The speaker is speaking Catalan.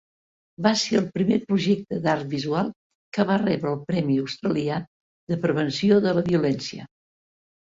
Va ser el primer projecte d'art visual que va rebre el premi australià de Prevenció de la violència.